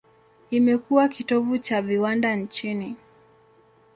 Imekuwa kitovu cha viwanda nchini.